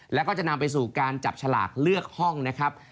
แล้วก็จะนำไปสู่การจับฉลากเลือกห้องนะครับ